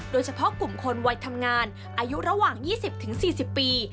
โดยเฉพาะกลุ่มคนวัยทำงานอายุระหว่าง๒๐๔๐ปี